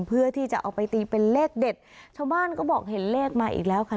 เพื่อที่จะเอาไปตีเป็นเลขเด็ดชาวบ้านก็บอกเห็นเลขมาอีกแล้วค่ะ